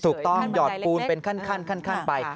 ถูกต้องหยอดปูนเป็นขั้นไป